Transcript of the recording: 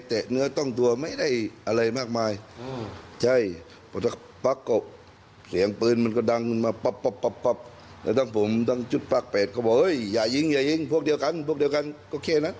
เสียงปืนมันก็ดังมาป๊อบแล้วตั้งผมตั้งจุดปากเปรตเขาบอกเฮ้ยอย่ายิงอย่ายิงพวกเดียวกันพวกเดียวกันก็แค่นั้น